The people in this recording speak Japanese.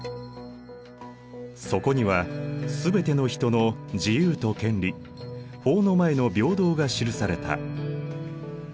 そこには全ての人の自由と権利法の前の平等が記された。